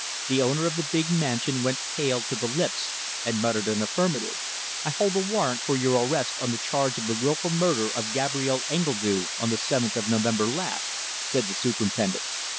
The owner of the big mansion went pale to the lips, and muttered an affirmative. "I hold a warrant for your arrest on the charge of the wilful murder of Gabrielle Engledue on the seventh of November last," said the Superintendent.